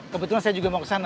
kebetulan saya juga mau ke sana